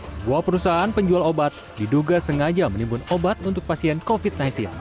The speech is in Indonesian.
sebuah perusahaan penjual obat diduga sengaja menimbun obat untuk pasien covid sembilan belas